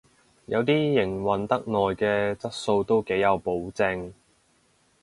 有啲營運得耐嘅質素都幾有保證